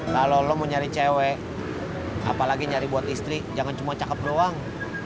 kalau lo mau nyari cewek apalagi nyari buat istri jangan cuma cakep doang